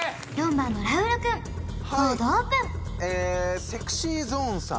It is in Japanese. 番のラウール君ボードオープンえーＳｅｘｙＺｏｎｅさん